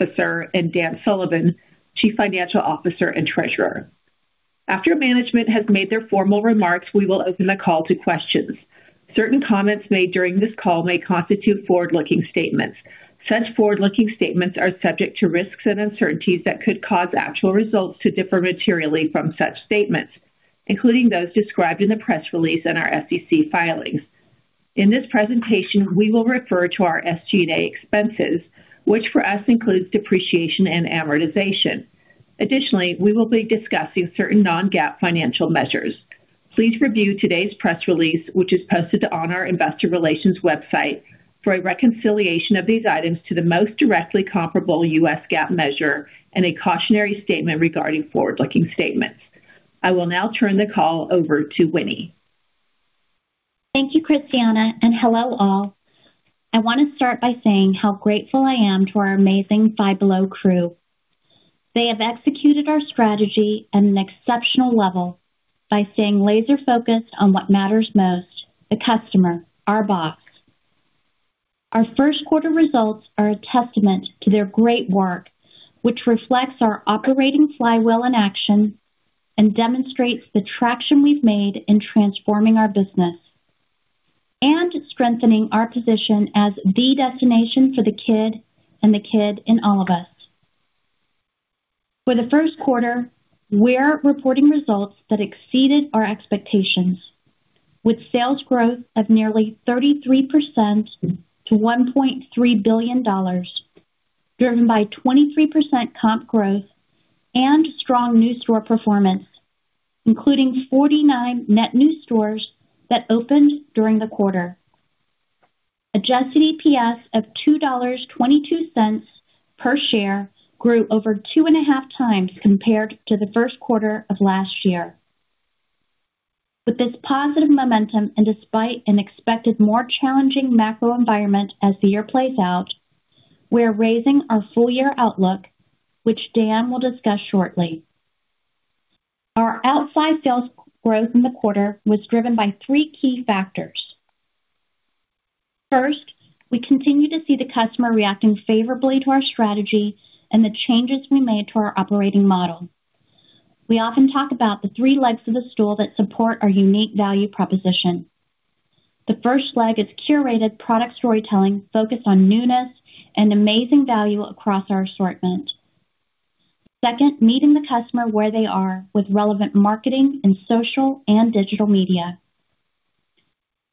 Officer, and Daniel Sullivan, Chief Financial Officer and Treasurer. After management has made their formal remarks, we will open the call to questions. Certain comments made during this call may constitute forward-looking statements. Such forward-looking statements are subject to risks and uncertainties that could cause actual results to differ materially from such statements, including those described in the press release and our SEC filings. In this presentation, we will refer to our SG&A expenses, which for us includes depreciation and amortization. Additionally, we will be discussing certain non-GAAP financial measures. Please review today's press release, which is posted on our investor relations website, for a reconciliation of these items to the most directly comparable U.S. GAAP measure and a cautionary statement regarding forward-looking statements. I will now turn the call over to Winnie. Thank you, Christiane, and hello, all. I want to start by saying how grateful I am to our amazing Five Below crew. They have executed our strategy at an exceptional level by staying laser focused on what matters most, the customer, our boss. Our Q1 results are a testament to their great work, which reflects our operating flywheel in action and demonstrates the traction we've made in transforming our business and strengthening our position as the destination for the kid and the kid in all of us. For the Q1, we're reporting results that exceeded our expectations, with sales growth of nearly 33% to $1.3 billion, driven by 23% comp growth and strong new store performance, including 49 net new stores that opened during the quarter. Adjusted EPS of $2.22 per share grew over two and a half times compared to the Q1 of last year. With this positive momentum, and despite an expected more challenging macro environment as the year plays out, we're raising our full year outlook, which Daniel will discuss shortly. Our outside sales growth in the quarter was driven by three key factors. First, we continue to see the customer reacting favorably to our strategy and the changes we made to our operating model. We often talk about the three legs of a stool that support our unique value proposition. The first leg is curated product storytelling focused on newness and amazing value across our assortment. Second, meeting the customer where they are with relevant marketing and social and digital media.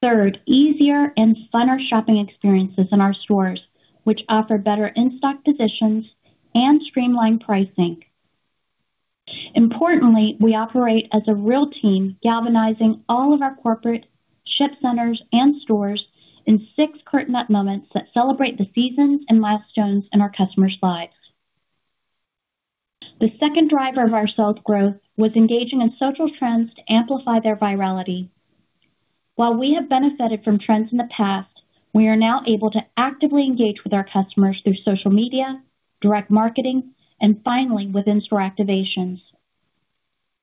Third, easier and funner shopping experiences in our stores, which offer better in-stock positions and streamlined pricing. Importantly, we operate as a real team, galvanizing all of our corporate ship centers and stores in six curtain-up moments that celebrate the seasons and milestones in our customers' lives. The second driver of our sales growth was engaging in social trends to amplify their virality. While we have benefited from trends in the past, we are now able to actively engage with our customers through social media, direct marketing, and finally, with in-store activations.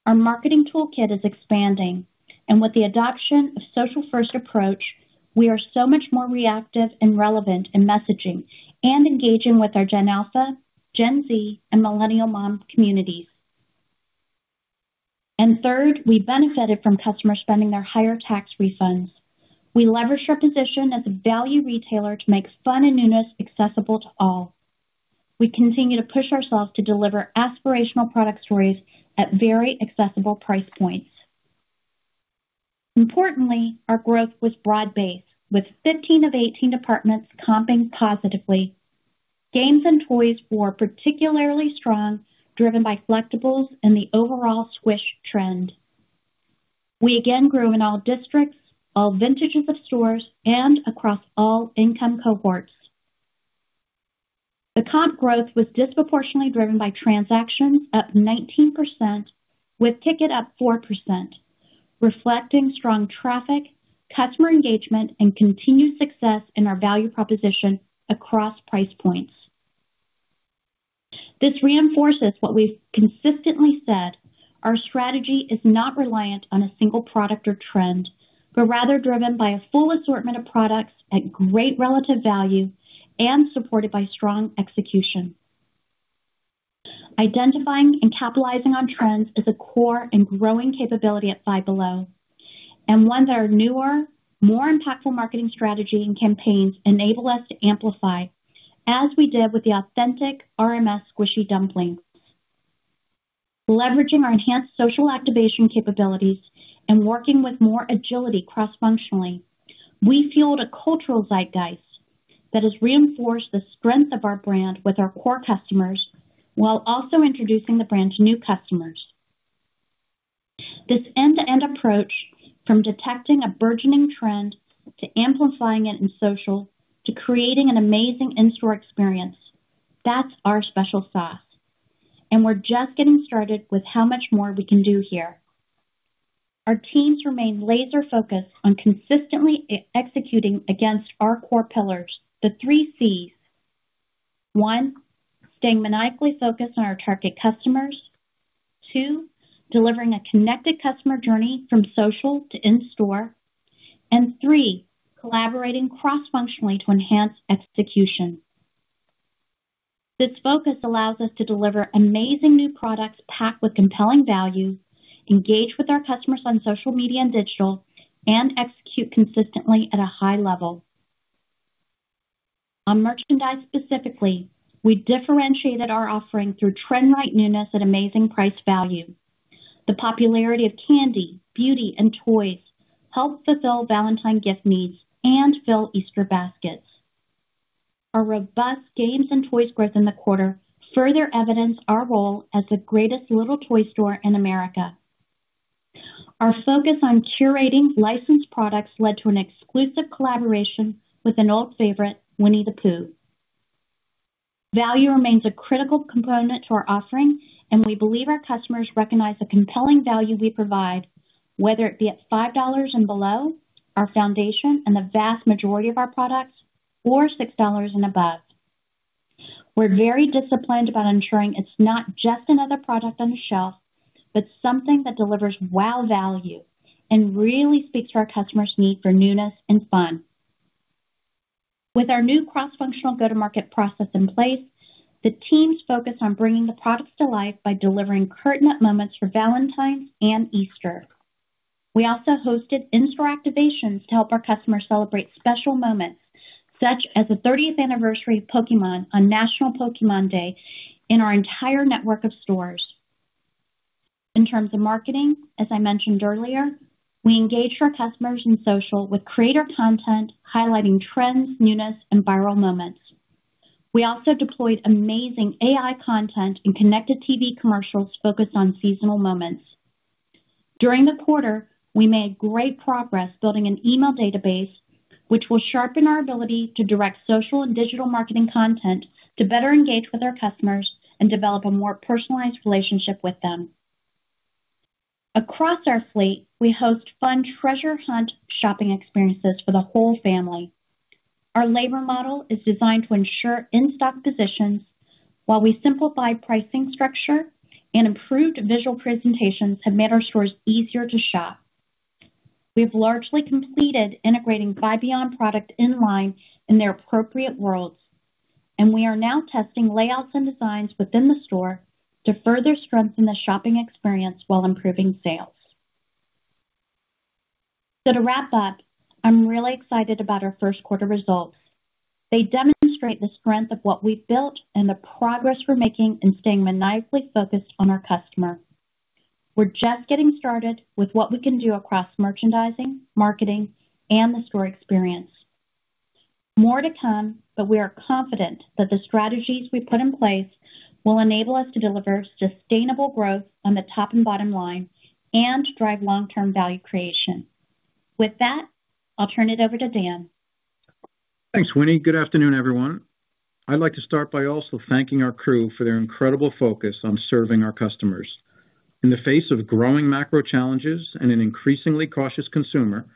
Our marketing toolkit is expanding, and with the adoption of social-first approach, we are so much more reactive and relevant in messaging and engaging with our Gen Alpha, Gen Z, and millennial mom communities. Third, we benefited from customers spending their higher tax refunds. We leveraged our position as a value retailer to make fun and newness accessible to all. We continue to push ourselves to deliver aspirational product stories at very accessible price points. Importantly, our growth was broad-based, with 15 of 18 departments comping positively. Games and toys were particularly strong, driven by collectibles and the overall squish trend. We again grew in all districts, all vintages of stores, and across all income cohorts. The comp growth was disproportionately driven by transactions, up 19%, with ticket up 4%, reflecting strong traffic, customer engagement, and continued success in our value proposition across price points. This reinforces what we've consistently said, our strategy is not reliant on a single product or trend, but rather driven by a full assortment of products at great relative value and supported by strong execution. Identifying and capitalizing on trends is a core and growing capability at Five Below, and one that our newer, more impactful marketing strategies and campaigns enable us to amplify, as we did with the authentic RMS Squishy Dumplings. Leveraging our enhanced social activation capabilities and working with more agility cross-functionally, we fueled a cultural zeitgeist that has reinforced the strength of our brand with our core customers while also introducing the brand to new customers. This end-to-end approach, from detecting a burgeoning trend to amplifying it in social, to creating an amazing in-store experience, that's our special sauce. We're just getting started with how much more we can do here. Our teams remain laser focused on consistently executing against our core pillars, the three Cs. One, staying maniacally focused on our target customers. Two, delivering a connected customer journey from social to in-store. Three, collaborating cross-functionally to enhance execution. This focus allows us to deliver amazing new products packed with compelling value, engage with our customers on social media and digital, and execute consistently at a high level. On merchandise specifically, we differentiated our offering through trend-right newness at amazing price value. The popularity of candy, beauty, and toys helped fulfill Valentine gift needs and fill Easter baskets. Our robust games and toys growth in the quarter further evidence our role as the greatest little toy store in America. Our focus on curating licensed products led to an exclusive collaboration with an old favorite, Winnie-the-Pooh. Value remains a critical component to our offering, and we believe our customers recognize the compelling value we provide, whether it be at $5 and below, our foundation and the vast majority of our products, or $6 and above. We're very disciplined about ensuring it's not just another product on the shelf, but something that delivers wow value and really speaks to our customer's need for newness and fun. With our new cross-functional go-to-market process in place, the teams focus on bringing the products to life by delivering curtain-up moments for Valentine's and Easter. We also hosted in-store activations to help our customers celebrate special moments, such as the 30th anniversary of Pokémon on National Pokémon Day in our entire network of stores. In terms of marketing, as I mentioned earlier, we engaged our customers in social with creator content highlighting trends, newness, and viral moments. We also deployed amazing AI content and Connected TV commercials focused on seasonal moments. During the quarter, we made great progress building an email database, which will sharpen our ability to direct social and digital marketing content to better engage with our customers and develop a more personalized relationship with them. Across our fleet, we host fun treasure hunt shopping experiences for the whole family. Our labor model is designed to ensure in-stock positions while we simplify pricing structure and improved visual presentations have made our stores easier to shop. We've largely completed integrating Five Beyond product in line in their appropriate worlds. We are now testing layouts and designs within the store to further strengthen the shopping experience while improving sales. To wrap up, I'm really excited about our Q1 results. They demonstrate the strength of what we've built and the progress we're making in staying maniacally focused on our customer. We're just getting started with what we can do across merchandising, marketing, and the store experience. More to come, but we are confident that the strategies we've put in place will enable us to deliver sustainable growth on the top and bottom line and drive long-term value creation. With that, I'll turn it over to Daniel. Thanks, Winnie. Good afternoon, everyone. I'd like to start by also thanking our crew for their incredible focus on serving our customers. In the face of growing macro challenges and an increasingly cautious consumer,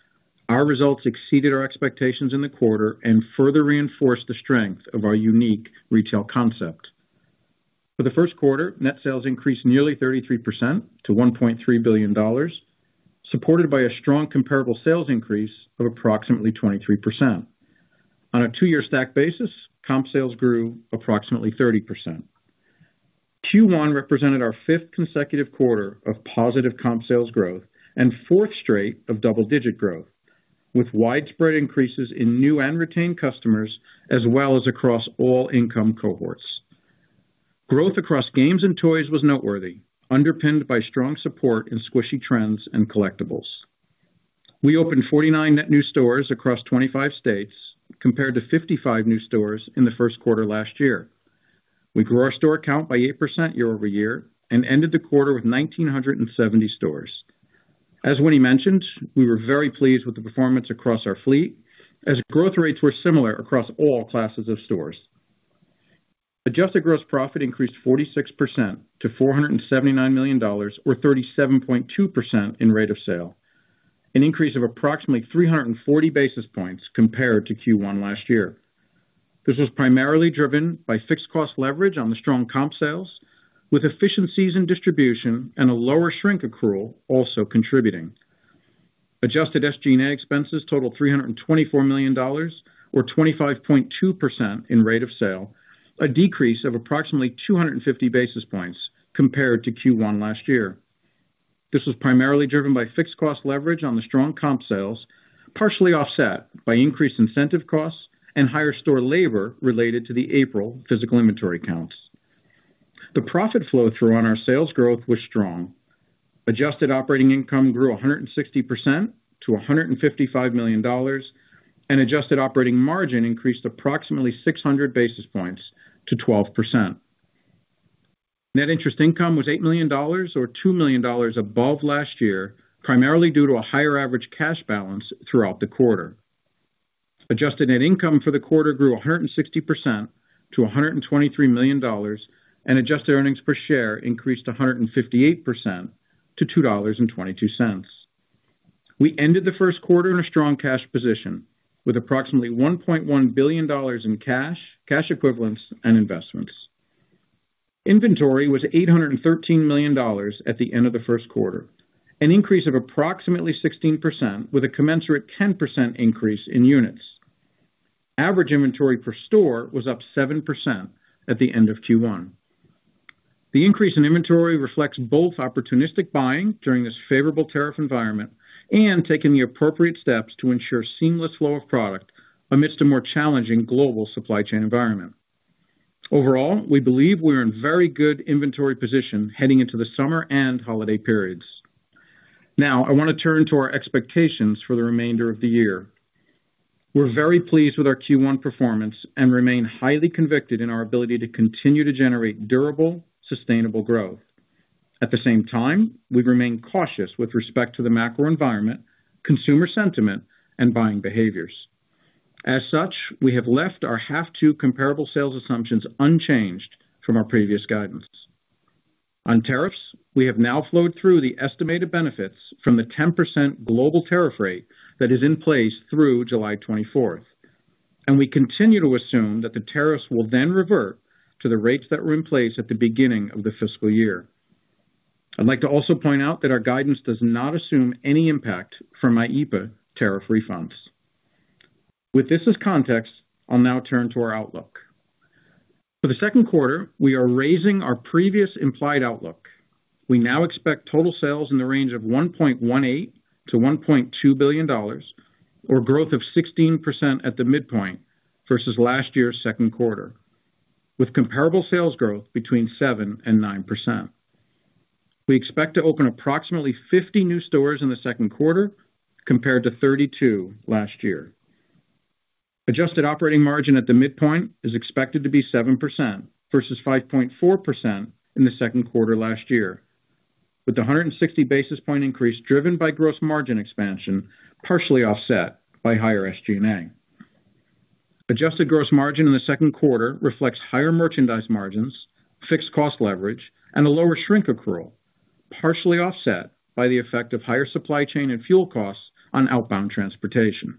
our results exceeded our expectations in the quarter and further reinforced the strength of our unique retail concept. For the Q1, net sales increased nearly 33% to $1.3 billion, supported by a strong comparable sales increase of approximately 23%. On a two-year stack basis, comp sales grew approximately 30%. Q1 represented our fifth consecutive quarter of positive comp sales growth and fourth straight of double-digit growth, with widespread increases in new and retained customers, as well as across all income cohorts. Growth across games and toys was noteworthy, underpinned by strong support in squishy trends and collectibles. We opened 49 net new stores across 25 states, compared to 55 new stores in the Q1 last year. We grew our store count by 8% year-over-year and ended the quarter with 1,970 stores. As Winnie mentioned, we were very pleased with the performance across our fleet, as growth rates were similar across all classes of stores. Adjusted gross profit increased 46% to $479 million or 37.2% in rate of sale, an increase of approximately 340 basis points compared to Q1 last year. Adjusted SG&A expenses totaled $324 million, or 25.2% in rate of sale, a decrease of approximately 250 basis points compared to Q1 last year. This was primarily driven by fixed cost leverage on the strong comp sales, partially offset by increased incentive costs and higher store labor related to the April physical inventory counts. The profit flow-through on our sales growth was strong. Adjusted operating income grew 160% to $155 million, and adjusted operating margin increased approximately 600 basis points to 12%. Net interest income was $8 million, or $2 million above last year, primarily due to a higher average cash balance throughout the quarter. Adjusted net income for the quarter grew 160% to $123 million and adjusted earnings per share increased 158% to $2.22. We ended the Q1 in a strong cash position with approximately $1.1 billion in cash equivalents, and investments. Inventory was $813 million at the end of the Q1, an increase of approximately 16%, with a commensurate 10% increase in units. Average inventory per store was up 7% at the end of Q1. The increase in inventory reflects both opportunistic buying during this favorable tariff environment and taking the appropriate steps to ensure seamless flow of product amidst a more challenging global supply chain environment. Overall, we believe we're in very good inventory position heading into the summer and holiday periods. Now, I want to turn to our expectations for the remainder of the year. We're very pleased with our Q1 performance and remain highly convicted in our ability to continue to generate durable, sustainable growth. At the same time, we remain cautious with respect to the macro environment, consumer sentiment, and buying behaviors. As such, we have left our half two comparable sales assumptions unchanged from our previous guidance. On tariffs, we have now flowed through the estimated benefits from the 10% global tariff rate that is in place through July 24th. We continue to assume that the tariffs will then revert to the rates that were in place at the beginning of the fiscal year. I'd like to also point out that our guidance does not assume any impact from IEEPA tariff refunds. With this as context, I'll now turn to our outlook. For the Q2, we are raising our previous implied outlook. We now expect total sales in the range of $1.18 to $1.2 billion, or growth of 16% at the midpoint versus last year's Q2, with comparable sales growth between 7% and 9%. We expect to open approximately 50 new stores in the Q2, compared to 32 last year. Adjusted operating margin at the midpoint is expected to be 7% versus 5.4% in the Q2 last year, with 160 basis point increase driven by gross margin expansion, partially offset by higher SG&A. Adjusted gross margin in the Q2 reflects higher merchandise margins, fixed cost leverage, and a lower shrink accrual, partially offset by the effect of higher supply chain and fuel costs on outbound transportation.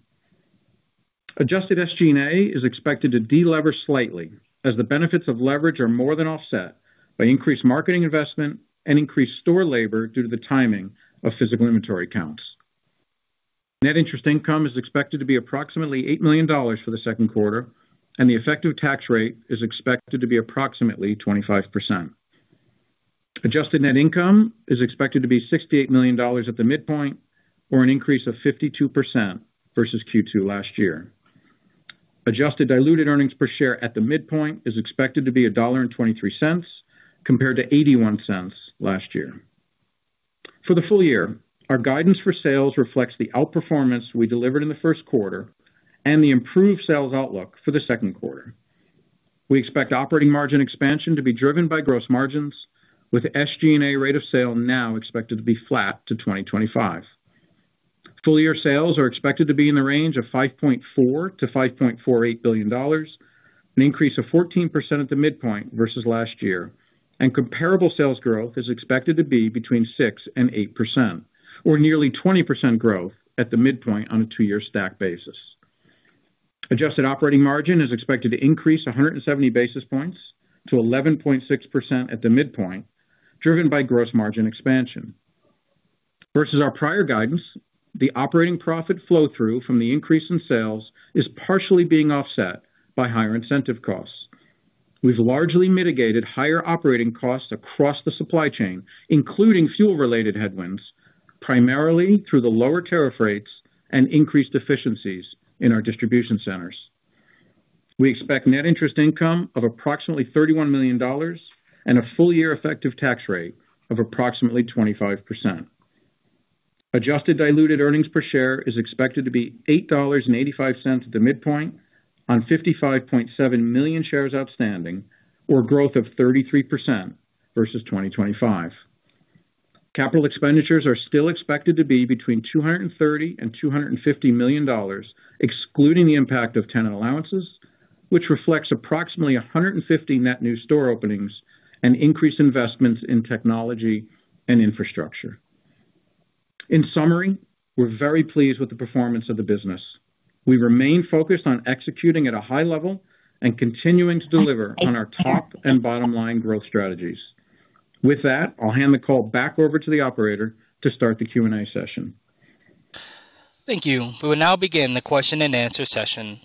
Adjusted SG&A is expected to de-leverage slightly as the benefits of leverage are more than offset by increased marketing investment and increased store labor due to the timing of physical inventory counts. Net interest income is expected to be approximately $8 million for the Q2, and the effective tax rate is expected to be approximately 25%. Adjusted net income is expected to be $68 million at the midpoint, or an increase of 52% versus Q2 last year. Adjusted diluted earnings per share at the midpoint is expected to be $1.23 compared to $0.81 last year. For the full year, our guidance for sales reflects the outperformance we delivered in the Q1 and the improved sales outlook for the Q2. We expect operating margin expansion to be driven by gross margins, with SG&A rate of sale now expected to be flat to 2025. Full-year sales are expected to be in the range of $5.4 billion-$5.48 billion, an increase of 14% at the midpoint versus last year. Comparable sales growth is expected to be between 6% and 8%, or nearly 20% growth at the midpoint on a two-year stack basis. Adjusted operating margin is expected to increase 170 basis points to 11.6% at the midpoint, driven by gross margin expansion. Versus our prior guidance, the operating profit flow-through from the increase in sales is partially being offset by higher incentive costs. We've largely mitigated higher operating costs across the supply chain, including fuel-related headwinds, primarily through the lower tariff rates and increased efficiencies in our distribution centers. We expect net interest income of approximately $31 million and a full-year effective tax rate of approximately 25%. Adjusted diluted earnings per share is expected to be $8.85 at the midpoint on 55.7 million shares outstanding or growth of 33% versus 2025. Capital expenditures are still expected to be between $230 and $250 million, excluding the impact of tenant allowances, which reflects approximately 150 net new store openings and increased investments in technology and infrastructure. In summary, we're very pleased with the performance of the business. We remain focused on executing at a high level and continuing to deliver on our top and bottom line growth strategies. With that, I'll hand the call back over to the operator to start the Q&A session. Thank you. We will now begin the question and answer session.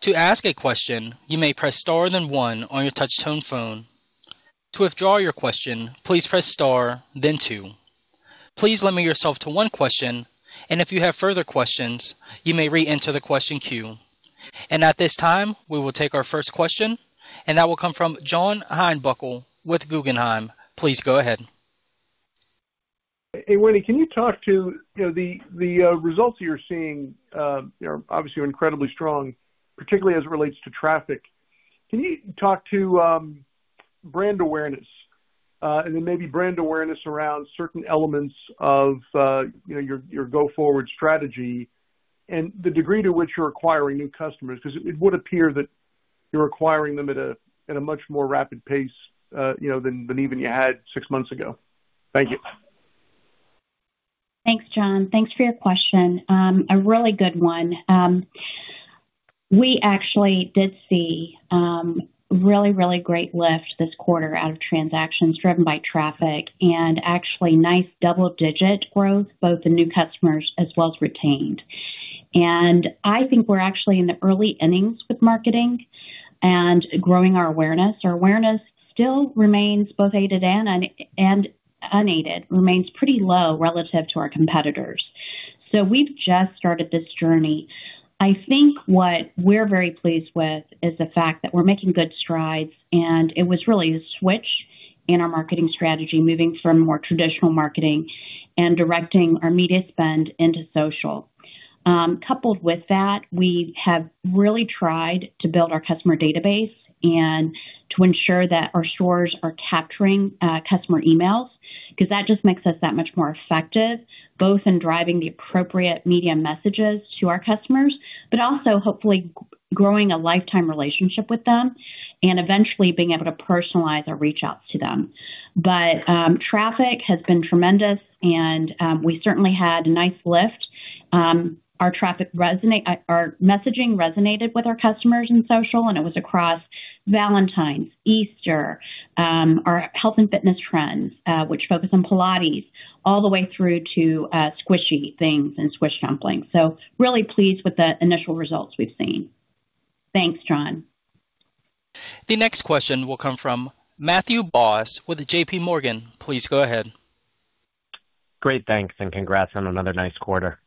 To ask a question, you may press star then one on your touch-tone phone. To withdraw your question, please press star then two. Please limit yourself to one question, if you have further questions, you may re-enter the question queue. At this time, we will take our first question, and that will come from John Heinbockel with Guggenheim. Please go ahead. Hey, Winnie, can you talk to the results you're seeing, they are obviously incredibly strong, particularly as it relates to traffic. Can you talk to brand awareness? Maybe brand awareness around certain elements of your go-forward strategy and the degree to which you're acquiring new customers, because it would appear that. You're acquiring them at a much more rapid pace than even you had six months ago. Thank you. Thanks, John. Thanks for your question. A really good one. We actually did see really great lift this quarter out of transactions driven by traffic and actually nice double-digit growth, both in new customers as well as retained. I think we're actually in the early innings with marketing and growing our awareness. Our awareness still remains, both aided and unaided, remains pretty low relative to our competitors. We've just started this journey. I think what we're very pleased with is the fact that we're making good strides, and it was really the switch in our marketing strategy, moving from more traditional marketing and directing our media spend into social. Coupled with that, we have really tried to build our customer database and to ensure that our stores are capturing customer emails, because that just makes us that much more effective, both in driving the appropriate media messages to our customers, but also, hopefully, growing a lifetime relationship with them and eventually being able to personalize our reach outs to them. Traffic has been tremendous, and we certainly had a nice lift. Our messaging resonated with our customers in social, and it was across Valentine's, Easter, our health and fitness trends, which focus on Pilates, all the way through to squishy things and Squish Dumplings. Really pleased with the initial results we've seen. Thanks, John. The next question will come from Matthew Boss with J.P. Morgan. Please go ahead. Great, thanks, and congrats on another nice quarter.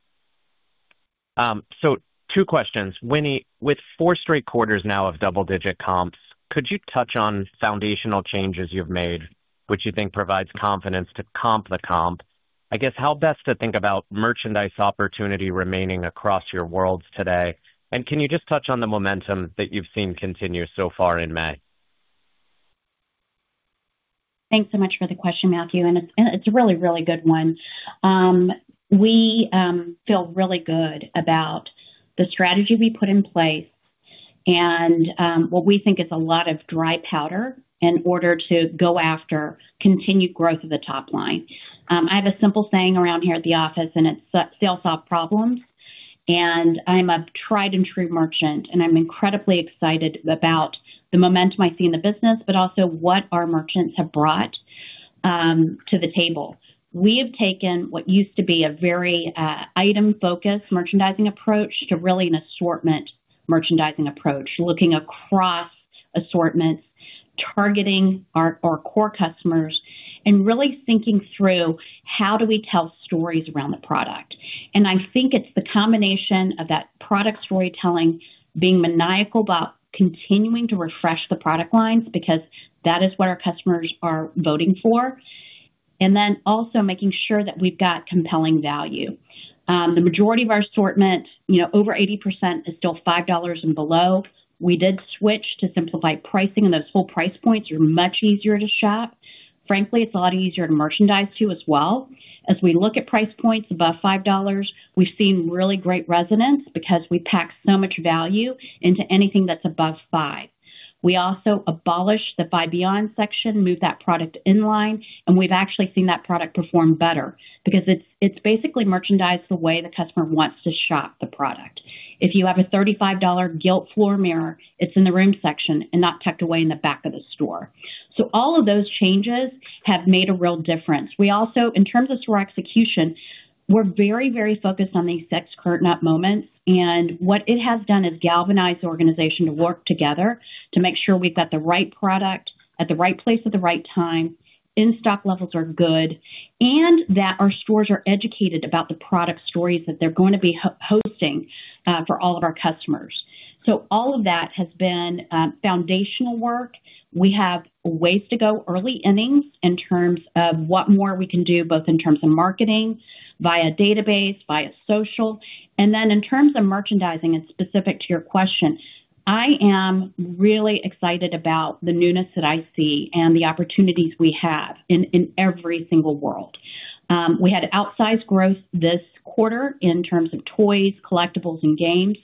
Two questions. Winnie, with four straight quarters now of double-digit comps, could you touch on foundational changes you've made, which you think provides confidence to comp the comp? I guess how best to think about merchandise opportunity remaining across your worlds today, and can you just touch on the momentum that you've seen continue so far in May? Thanks so much for the question, Matthew, and it's a really, really good one. We feel really good about the strategy we put in place and what we think is a lot of dry powder in order to go after continued growth of the top line. I have a simple saying around here at the office, and it's, "Sales solve problems." I'm a tried and true merchant, and I'm incredibly excited about the momentum I see in the business, but also what our merchants have brought to the table. We have taken what used to be a very item-focused merchandising approach to really an assortment merchandising approach, looking across assortments, targeting our core customers, and really thinking through how do we tell stories around the product. I think it's the combination of that product storytelling being maniacal about continuing to refresh the product lines, because that is what our customers are voting for, also making sure that we've got compelling value. The majority of our assortment, over 80%, is still $5 and below. We did switch to simplify pricing, those full price points are much easier to shop. Frankly, it's a lot easier to merchandise to as well. As we look at price points above $5, we've seen really great resonance because we pack so much value into anything that's above five. We also abolished the Five Beyond section, moved that product in line, we've actually seen that product perform better because it's basically merchandised the way the customer wants to shop the product. If you have a $35 gilt floor mirror, it's in the room section and not tucked away in the back of the store. All of those changes have made a real difference. We also, in terms of store execution, we're very focused on these six curtain-up moments, and what it has done is galvanize the organization to work together to make sure we've got the right product at the right place at the right time, in-stock levels are good, and that our stores are educated about the product stories that they're going to be hosting for all of our customers. All of that has been foundational work. We have a ways to go, early innings, in terms of what more we can do, both in terms of marketing via database, via social. In terms of merchandising, and specific to your question, I am really excited about the newness that I see and the opportunities we have in every single world. We had outsized growth this quarter in terms of toys, collectibles, and games.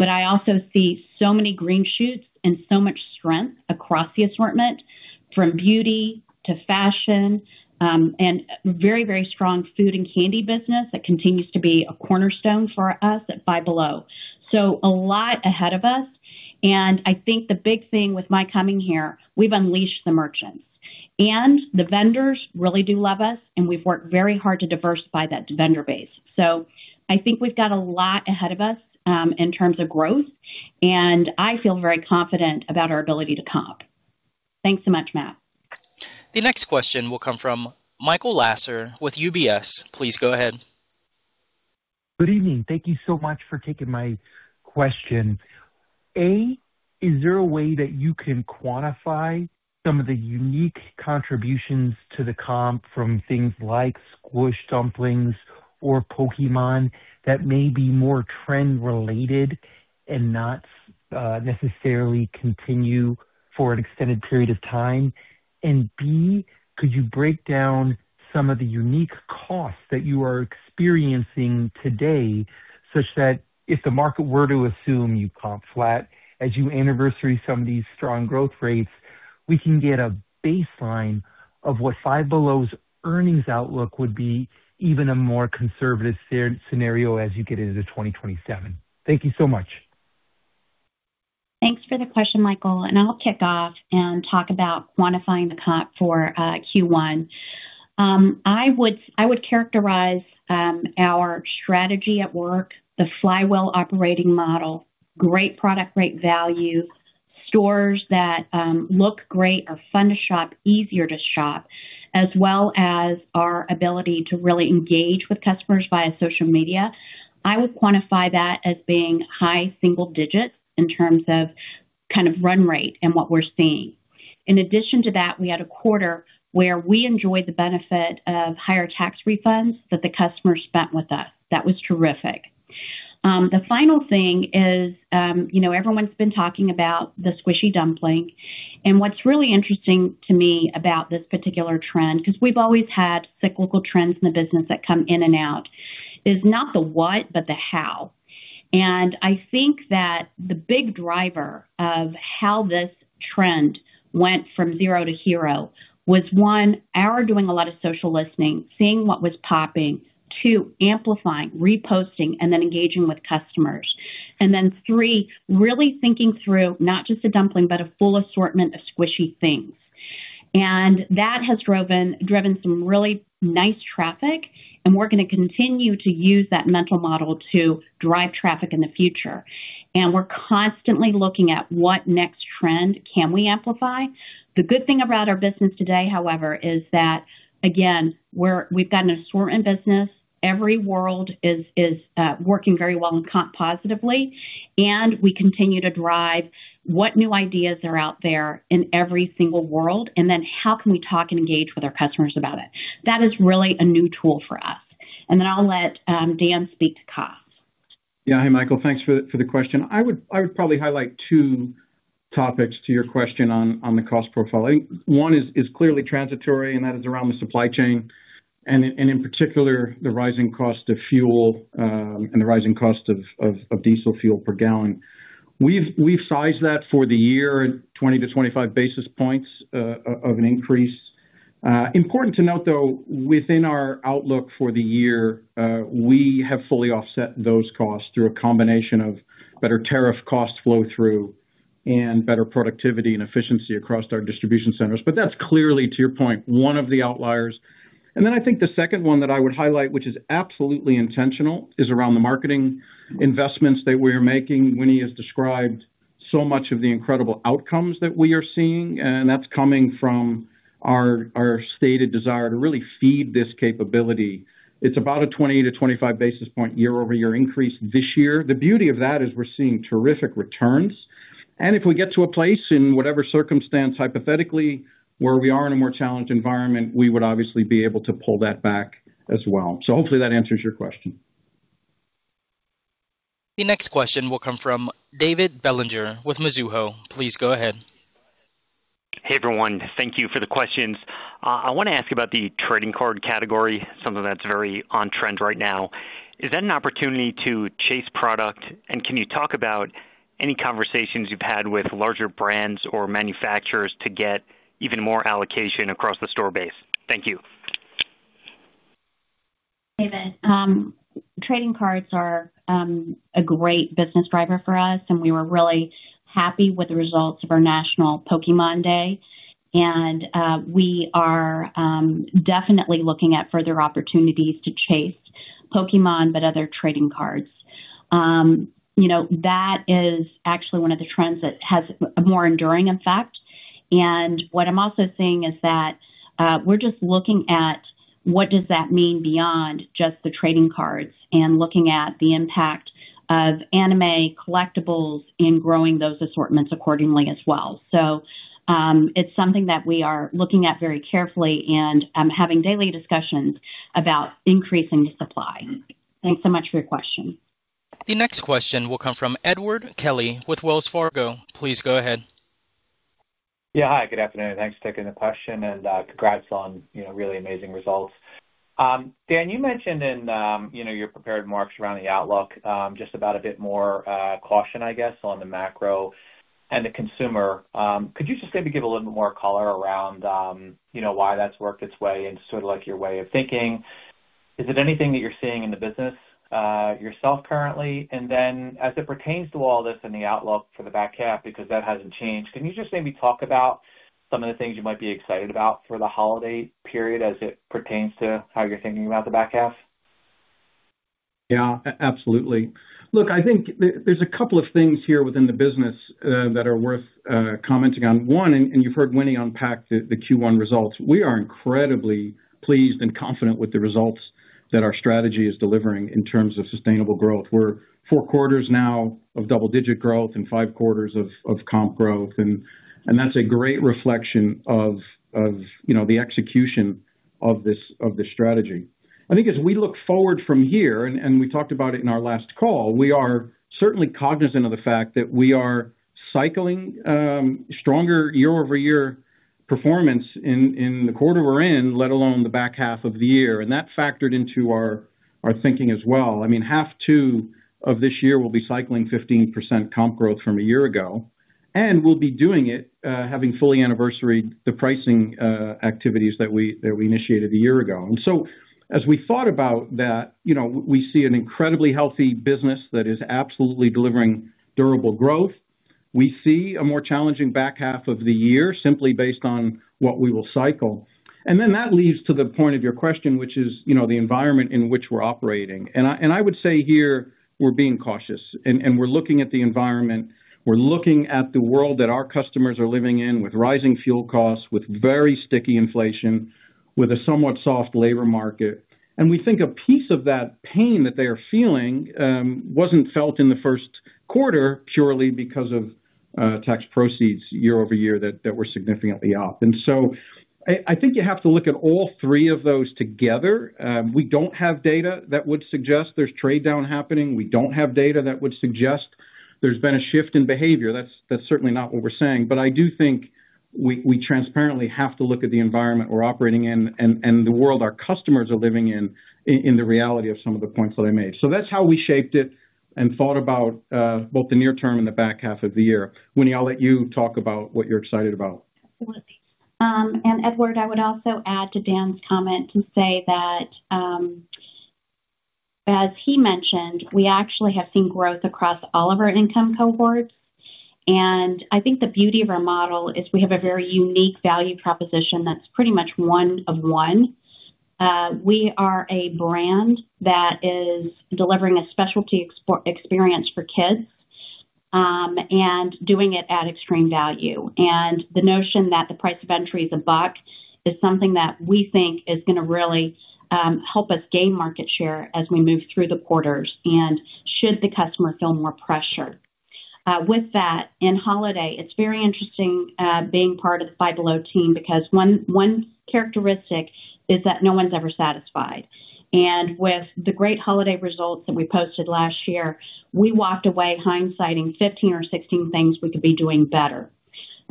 I also see so many green shoots and so much strength across the assortment, from beauty to fashion, and very, very strong food and candy business that continues to be a cornerstone for us at Five Below. A lot ahead of us, and I think the big thing with my coming here, we've unleashed the merchants. The vendors really do love us, and we've worked very hard to diversify that vendor base. I think we've got a lot ahead of us in terms of growth, and I feel very confident about our ability to comp. Thanks so much, Matthew. The next question will come from Michael Lasser with UBS. Please go ahead. Good evening. Thank you so much for taking my question. A, is there a way that you can quantify some of the unique contributions to the comp from things like Squish Dumplings or Pokémon that may be more trend related and not necessarily continue for an extended period of time? B, could you break down some of the unique costs that you are experiencing today, such that if the market were to assume you comp flat as you anniversary some of these strong growth rates We can get a baseline of what Five Below's earnings outlook would be, even a more conservative scenario as you get into 2027. Thank you so much. Thanks for the question, Michael. I'll kick off and talk about quantifying the comp for Q1. I would characterize our strategy at work, the flywheel operating model, great product, great value, stores that look great, are fun to shop, easier to shop, as well as our ability to really engage with customers via social media. I would quantify that as being high single digits in terms of kind of run rate and what we're seeing. In addition to that, we had a quarter where we enjoyed the benefit of higher tax refunds that the customers spent with us. That was terrific. The final thing is, everyone's been talking about the Squishy Dumpling, and what's really interesting to me about this particular trend, because we've always had cyclical trends in the business that come in and out, is not the what, but the how. I think that the big driver of how this trend went from zero to hero was, one, our doing a lot of social listening, seeing what was popping. Two, amplifying, reposting, and then engaging with customers. Three, really thinking through not just a dumpling, but a full assortment of squishy things. That has driven some really nice traffic, and we're going to continue to use that mental model to drive traffic in the future. We're constantly looking at what next trend can we amplify. The good thing about our business today, however, is that, again, we've got an assortment business. Every world is working very well and comp positively, and we continue to drive what new ideas are out there in every single world, and then how can we talk and engage with our customers about it. That is really a new tool for us. I'll let Daniel speak to cost. Yeah. Hey, Michael. Thanks for the question. I would probably highlight two topics to your question on the cost profile. I think one is clearly transitory, and that is around the supply chain, and in particular, the rising cost of fuel and the rising cost of diesel fuel per gallon. We've sized that for the year at 20 to 25 basis points of an increase. Important to note, though, within our outlook for the year, we have fully offset those costs through a combination of better tariff cost flow-through and better productivity and efficiency across our distribution centers. That's clearly, to your point, one of the outliers. Then I think the second one that I would highlight, which is absolutely intentional, is around the marketing investments that we are making. Winnie has described so much of the incredible outcomes that we are seeing, and that's coming from our stated desire to really feed this capability. It's about a 20 to 25 basis point year-over-year increase this year. The beauty of that is we're seeing terrific returns. If we get to a place in whatever circumstance, hypothetically, where we are in a more challenged environment, we would obviously be able to pull that back as well. Hopefully that answers your question. The next question will come from David Bellinger with Mizuho. Please go ahead. Hey, everyone. Thank you for the questions. I want to ask you about the trading card category, something that's very on trend right now. Is that an opportunity to chase product, and can you talk about any conversations you've had with larger brands or manufacturers to get even more allocation across the store base? Thank you. David, trading cards are a great business driver for us. We were really happy with the results of our National Pokémon Day. We are definitely looking at further opportunities to chase Pokémon, but other trading cards. That is actually one of the trends that has a more enduring effect. What I'm also seeing is that we're just looking at what does that mean beyond just the trading cards and looking at the impact of anime collectibles in growing those assortments accordingly as well. It's something that we are looking at very carefully and having daily discussions about increasing supply. Thanks so much for your question. The next question will come from Edward Kelly with Wells Fargo. Please go ahead. Yeah. Hi, good afternoon. Thanks for taking the question, and congrats on really amazing results. Daniel, you mentioned in your prepared remarks around the outlook, just about a bit more caution, I guess, on the macro and the consumer. Could you just maybe give a little bit more color around why that's worked its way into sort of like your way of thinking? Is it anything that you're seeing in the business yourself currently? As it pertains to all this and the outlook for the back half, because that hasn't changed, can you just maybe talk about some of the things you might be excited about for the holiday period as it pertains to how you're thinking about the back half? Yeah, absolutely. Look, I think there's a couple of things here within the business that are worth commenting on. You've heard Winnie unpack the Q1 results. We are incredibly pleased and confident with the results that our strategy is delivering in terms of sustainable growth. We're four quarters now of double-digit growth and five quarters of comp growth, and that's a great reflection of the execution of this strategy. I think as we look forward from here, and we talked about it in our last call, we are certainly cognizant of the fact that we are cycling stronger year-over-year performance in the quarter we're in, let alone the back half of the year. That factored into our thinking as well. Half two of this year will be cycling 15% comp growth from a year ago, and we'll be doing it, having fully anniversaried the pricing activities that we initiated a year ago. As we thought about that, we see an incredibly healthy business that is absolutely delivering durable growth. We see a more challenging back half of the year, simply based on what we will cycle. That leads to the point of your question, which is the environment in which we're operating. I would say here, we're being cautious, and we're looking at the environment. We're looking at the world that our customers are living in with rising fuel costs, with very sticky inflation, with a somewhat soft labor market. We think a piece of that pain that they are feeling wasn't felt in the Q1 purely because of tax proceeds year-over-year that were significantly up. I think you have to look at all three of those together. We don't have data that would suggest there's trade-down happening. We don't have data that would suggest there's been a shift in behavior. That's certainly not what we're saying. I do think we transparently have to look at the environment we're operating in and the world our customers are living in the reality of some of the points that I made. That's how we shaped it and thought about both the near term and the back half of the year. Winnie, I'll let you talk about what you're excited about. Absolutely. Edward, I would also add to Dan's comment and say that, as he mentioned, we actually have seen growth across all of our income cohorts. I think the beauty of our model is we have a very unique value proposition that's pretty much one of one. We are a brand that is delivering a specialty experience for kids, and doing it at extreme value. The notion that the price of entry is $1 is something that we think is going to really help us gain market share as we move through the quarters and should the customer feel more pressure. With that, in holiday, it's very interesting being part of the Five Below team because one characteristic is that no one's ever satisfied. With the great holiday results that we posted last year, we walked away hindsighting 15 or 16 things we could be doing better.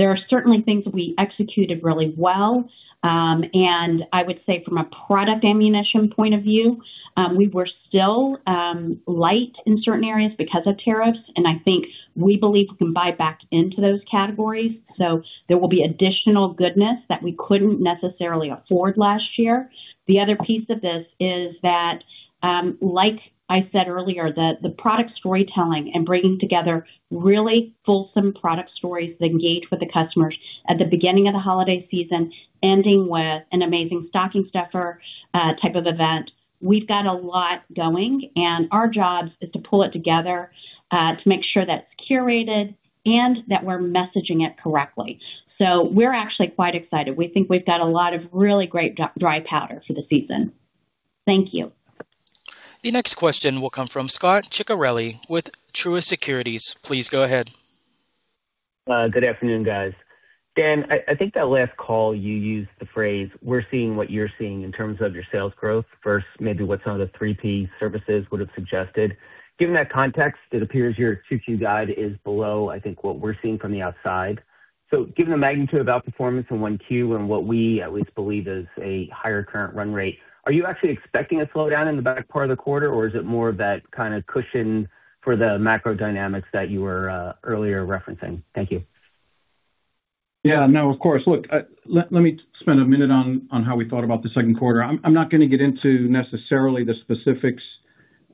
There are certainly things that we executed really well. I would say from a product ammunition point of view, we were still light in certain areas because of tariffs, and I think we believe we can buy back into those categories. There will be additional goodness that we couldn't necessarily afford last year. The other piece of this is that, like I said earlier, the product storytelling and bringing together really fulsome product stories that engage with the customers at the beginning of the holiday season, ending with an amazing stocking stuffer type of event. We've got a lot going, and our job is to pull it together, to make sure that it's curated and that we're messaging it correctly. We're actually quite excited. We think we've got a lot of really great dry powder for the season. Thank you. The next question will come from Scot Ciccarelli with Truist Securities. Please go ahead. Good afternoon, guys. Daniel, I think that last call you used the phrase, we're seeing what you're seeing in terms of your sales growth versus maybe what some of the 3P services would have suggested. Given that context, it appears your 2Q guide is below, I think, what we're seeing from the outside. Given the magnitude of outperformance in 1Q and what we at least believe is a higher current run rate, are you actually expecting a slowdown in the back part of the quarter, or is it more of that kind of cushion for the macro dynamics that you were earlier referencing? Thank you. No, of course. Look, let me spend a minute on how we thought about the Q2. I'm not going to get into necessarily the specifics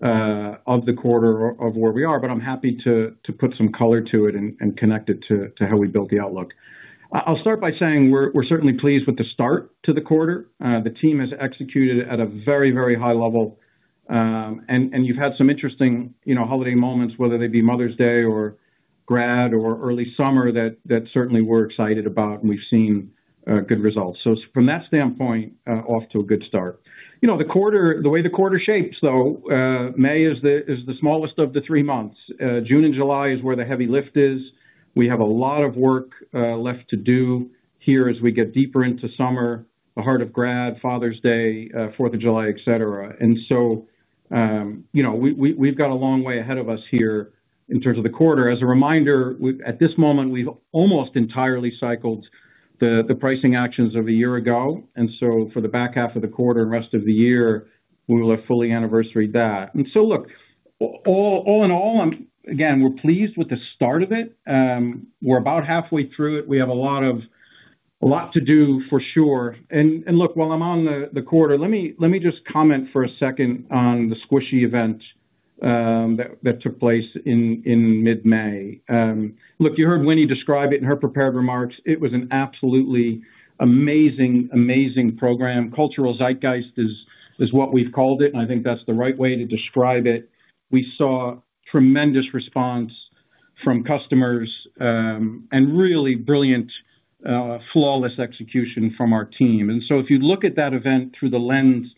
of the quarter of where we are, but I'm happy to put some color to it and connect it to how we built the outlook. I'll start by saying we're certainly pleased with the start to the quarter. The team has executed at a very high level. You've had some interesting holiday moments, whether they be Mother's Day or grad or early summer, that certainly we're excited about, and we've seen good results. From that standpoint, off to a good start. The way the quarter shapes, though, May is the smallest of the three months. June and July is where the heavy lift is. We have a lot of work left to do here as we get deeper into summer, the heart of grad, Father's Day, Fourth of July, et cetera. We've got a long way ahead of us here in terms of the quarter. As a reminder, at this moment, we've almost entirely cycled the pricing actions of a year ago. For the back half of the quarter, rest of the year, we will have fully anniversaried that. Look, all in all, again, we're pleased with the start of it. We're about halfway through it. We have a lot to do for sure. Look, while I'm on the quarter, let me just comment for a second on the squishy event that took place in mid-May. Look, you heard Winnie describe it in her prepared remarks. It was an absolutely amazing program. Cultural zeitgeist is what we've called it. I think that's the right way to describe it. We saw tremendous response from customers, really brilliant, flawless execution from our team. If you look at that event through the lens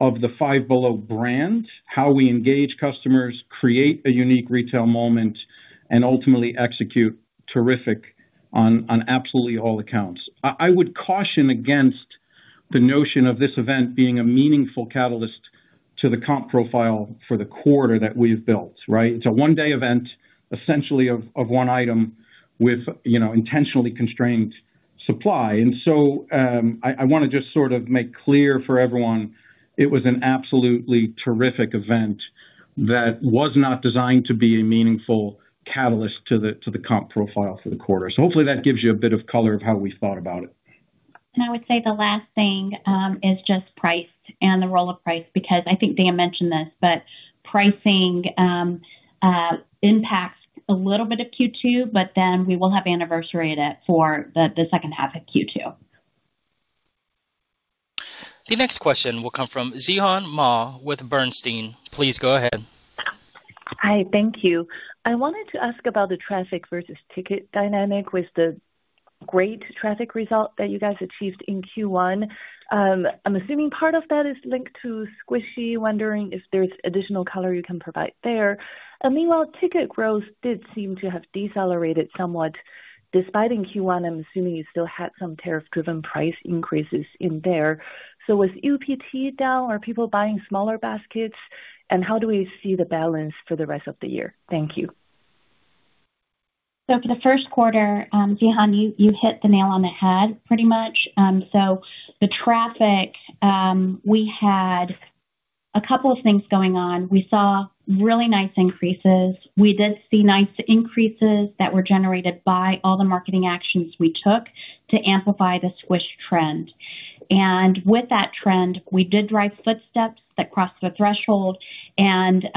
of the Five Below brand, how we engage customers, create a unique retail moment, and ultimately execute terrific on absolutely all accounts. I would caution against the notion of this event being a meaningful catalyst to the comp profile for the quarter that we've built, right? It's a one-day event, essentially, of one item with intentionally constrained supply. I want to just make clear for everyone, it was an absolutely terrific event that was not designed to be a meaningful catalyst to the comp profile for the quarter. Hopefully that gives you a bit of color of how we thought about it. I would say the last thing is just price and the role of price, because I think Daniel mentioned this, but pricing impacts a little bit of Q2, but then we will have anniversaried it for the H2 of Q2. The next question will come from Zhihan Ma with Bernstein. Please go ahead. Hi, thank you. I wanted to ask about the traffic versus ticket dynamic with the great traffic result that you guys achieved in Q1. I'm assuming part of that is linked to squishy, wondering if there's additional color you can provide there. meanwhile, ticket growth did seem to have decelerated somewhat despite in Q1, I'm assuming you still had some tariff-driven price increases in there. was UPT down? Are people buying smaller baskets? how do we see the balance for the rest of the year? Thank you. For the Q1, Zhihan, you hit the nail on the head pretty much. The traffic, we had a couple of things going on. We saw really nice increases. We did see nice increases that were generated by all the marketing actions we took to amplify the squish trend. With that trend, we did drive footsteps that crossed the threshold, and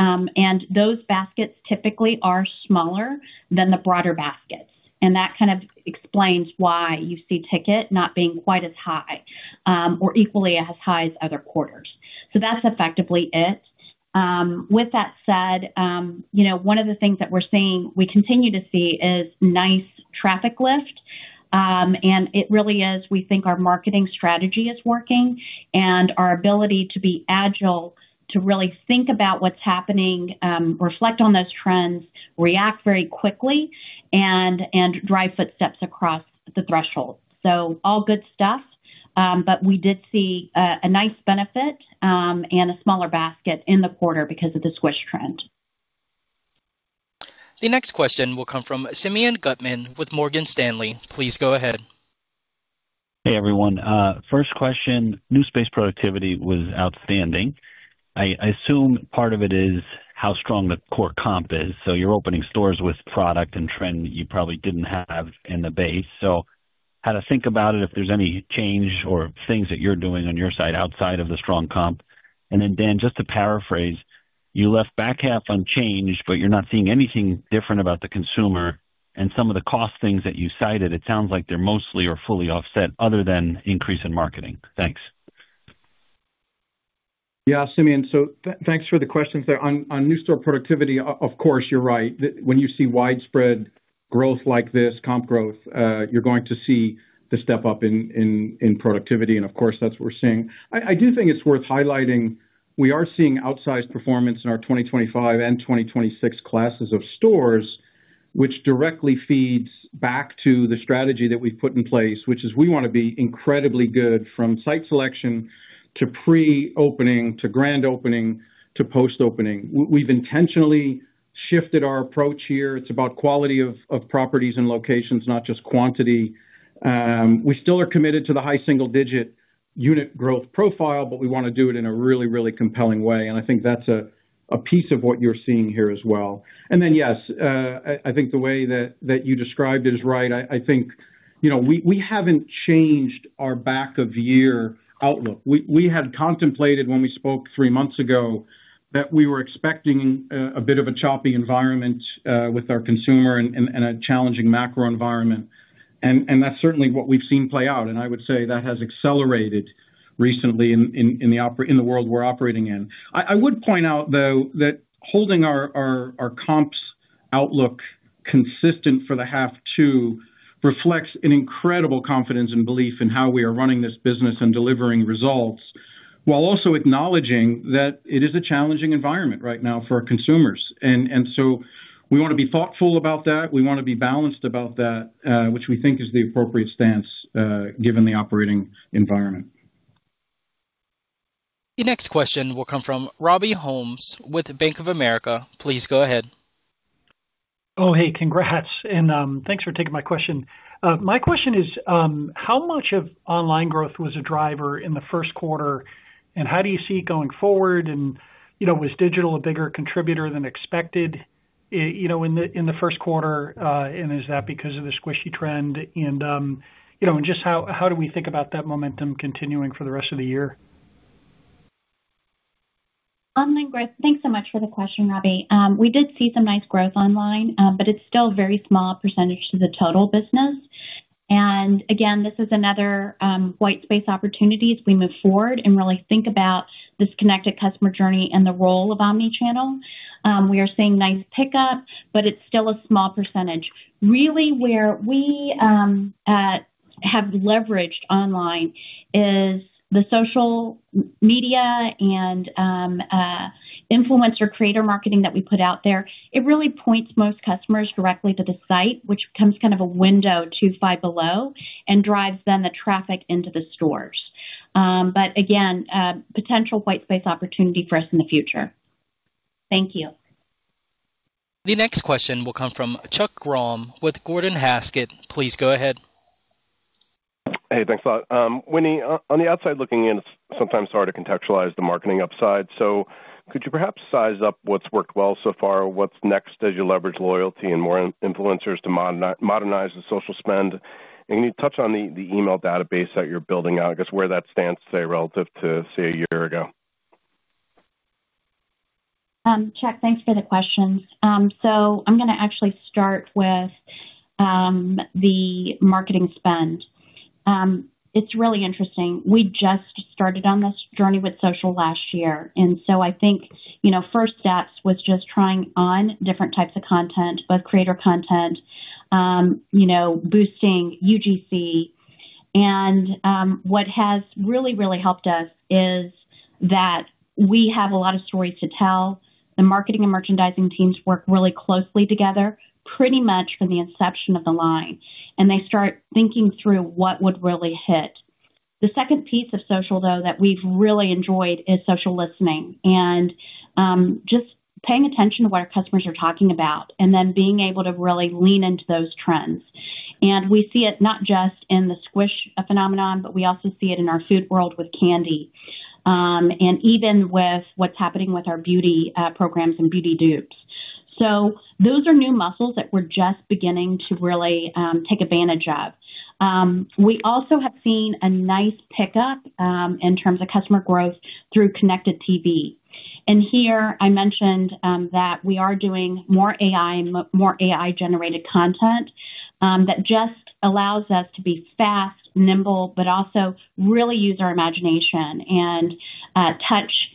those baskets typically are smaller than the broader baskets. That kind of explains why you see ticket not being quite as high or equally as high as other quarters. That's effectively it. With that said, one of the things that we continue to see is nice traffic lift. It really is, we think our marketing strategy is working and our ability to be agile, to really think about what's happening, reflect on those trends, react very quickly, and drive footsteps across the threshold. All good stuff. We did see a nice benefit, and a smaller basket in the quarter because of the Squish trend. The next question will come from Simeon Gutman with Morgan Stanley. Please go ahead. Hey, everyone. First question, new space productivity was outstanding. I assume part of it is how strong the core comp is. You're opening stores with product and trend that you probably didn't have in the base. How to think about it, if there's any change or things that you're doing on your side outside of the strong comp. Daniel, just to paraphrase, you left back half unchanged, but you're not seeing anything different about the consumer and some of the cost things that you cited. It sounds like they're mostly or fully offset other than increase in marketing. Thanks. Yeah, Simeon. Thanks for the questions there. On new store productivity, of course, you're right. When you see widespread growth like this, comp growth, you're going to see the step up in productivity, and of course, that's what we're seeing. I do think it's worth highlighting, we are seeing outsized performance in our 2025 and 2026 classes of stores, which directly feeds back to the strategy that we've put in place, which is we want to be incredibly good from site selection to pre-opening to grand opening to post-opening. We've intentionally shifted our approach here. It's about quality of properties and locations, not just quantity. We still are committed to the high single-digit unit growth profile, we want to do it in a really, really compelling way, and I think that's a piece of what you're seeing here as well. Then, yes, I think the way that you described it is right. I think we haven't changed our back of year outlook. We had contemplated when we spoke three months ago that we were expecting a bit of a choppy environment with our consumer and a challenging macro environment. That's certainly what we've seen play out, and I would say that has accelerated recently in the world we're operating in. I would point out, though, that holding our comps outlook consistent for the half two reflects an incredible confidence and belief in how we are running this business and delivering results, while also acknowledging that it is a challenging environment right now for our consumers. So we want to be thoughtful about that. We want to be balanced about that, which we think is the appropriate stance given the operating environment. The next question will come from Rob Holmes with Bank of America. Please go ahead. Oh, hey, congrats and thanks for taking my question. My question is, how much of online growth was a driver in the Q1, and how do you see it going forward? Was digital a bigger contributor than expected in the Q1? Is that because of the squishy trend? Just how do we think about that momentum continuing for the rest of the year? Thanks so much for the question, Robbie. We did see some nice growth online, but it's still a very small percentage of the total business. Again, this is another white space opportunity as we move forward and really think about this connected customer journey and the role of omni-channel. We are seeing nice pickup, but it's still a small percentage. Really where we have leveraged online is the social media and influencer creator marketing that we put out there. It really points most customers directly to the site, which becomes kind of a window to Five Below and drives then the traffic into the stores. Again, potential white space opportunity for us in the future. Thank you. The next question will come from Chuck Grom with Gordon Haskett. Please go ahead. Hey, thanks a lot. Winnie, on the outside looking in, it's sometimes hard to contextualize the marketing upside. Could you perhaps size up what's worked well so far? What's next as you leverage loyalty and more influencers to modernize the social spend? Can you touch on the email database that you're building out, I guess where that stands today relative to, say, a year ago. Chuck, thanks for the questions. I'm going to actually start with the marketing spend. It's really interesting. We just started on this journey with social last year, I think first steps was just trying on different types of content, both creator content, boosting UGC. What has really helped us is that we have a lot of stories to tell. The marketing and merchandising teams work really closely together, pretty much from the inception of the line. They start thinking through what would really hit. The second piece of social, though, that we've really enjoyed is social listening and just paying attention to what our customers are talking about and then being able to really lean into those trends. We see it not just in the Squish phenomenon, but we also see it in our food world with candy. Even with what's happening with our beauty programs and beauty dupes. Those are new muscles that we're just beginning to really take advantage of. We also have seen a nice pickup in terms of customer growth through connected TV. Here I mentioned that we are doing more AI and more AI-generated content that just allows us to be fast, nimble, but also really use our imagination and touch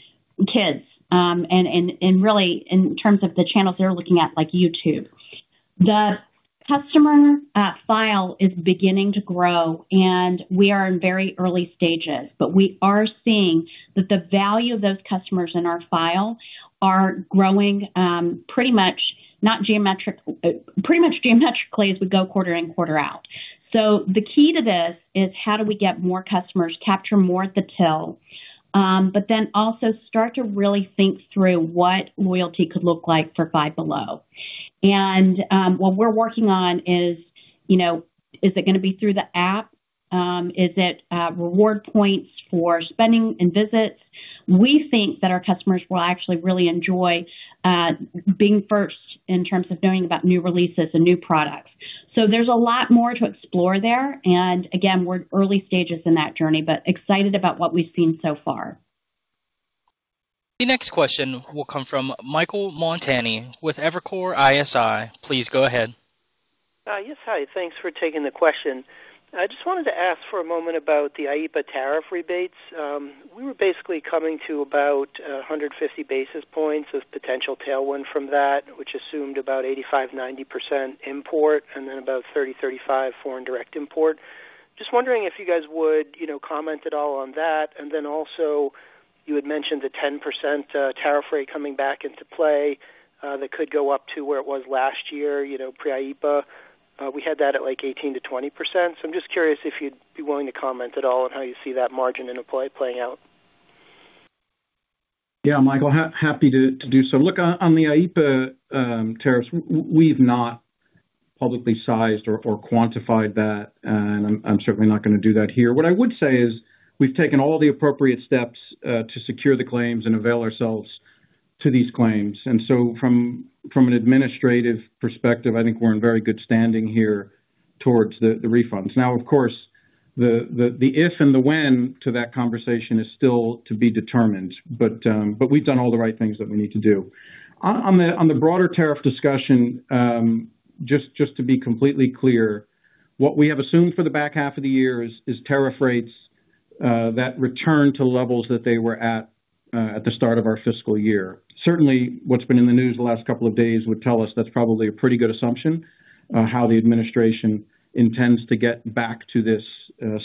kids, and really, in terms of the channels they're looking at, like YouTube. The customer file is beginning to grow, and we are in very early stages, but we are seeing that the value of those customers in our file are growing pretty much geometrically as we go quarter in, quarter out. The key to this is how do we get more customers, capture more at the till, but then also start to really think through what loyalty could look like for Five Below. What we're working on is it going to be through the app? Is it reward points for spending and visits? We think that our customers will actually really enjoy being first in terms of knowing about new releases and new products. There's a lot more to explore there. Again, we're early stages in that journey, but excited about what we've seen so far. The next question will come from Michael Montani with Evercore ISI. Please go ahead. Yes. Hi. Thanks for taking the question. I just wanted to ask for a moment about the IEEPA tariff rebates. We were basically coming to about 150 basis points of potential tailwind from that, which assumed about 85% to 90% import, and then about 30% to 35% foreign direct import. Just wondering if you guys would comment at all on that. Also, you had mentioned the 10% tariff rate coming back into play that could go up to where it was last year, pre-IEEPA. We had that at, like, 18% to 20%. I'm just curious if you'd be willing to comment at all on how you see that margin and employ playing out. Yeah, Michael, happy to do so. Look, on the IEEPA tariffs, we've not publicly sized or quantified that, I'm certainly not going to do that here. What I would say is we've taken all the appropriate steps to secure the claims and avail ourselves to these claims. From an administrative perspective, I think we're in very good standing here towards the refunds. Of course, the if and the when to that conversation is still to be determined, we've done all the right things that we need to do. On the broader tariff discussion, just to be completely clear, what we have assumed for the back half of the year is tariff rates that return to levels that they were at the start of our fiscal year. Certainly, what's been in the news the last couple of days would tell us that's probably a pretty good assumption, how the administration intends to get back to this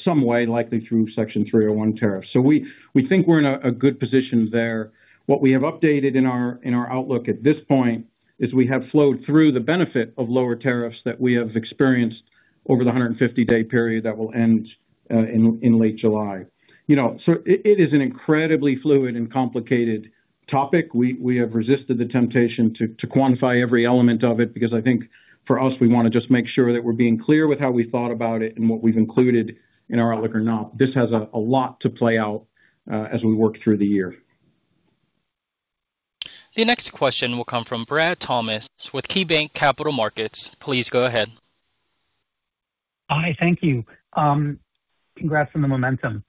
some way, likely through Section 301 tariffs. We think we're in a good position there. What we have updated in our outlook at this point is we have flowed through the benefit of lower tariffs that we have experienced over the 150-day period that will end in late July. It is an incredibly fluid and complicated topic. We have resisted the temptation to quantify every element of it because I think for us, we want to just make sure that we're being clear with how we thought about it and what we've included in our outlook or not. This has a lot to play out as we work through the year. The next question will come from Brad Thomas with KeyBanc Capital Markets. Please go ahead. Hi. Thank you. Congrats on the momentum.